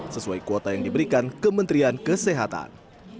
sesuai kuota yang diberikan kementerian kesehatan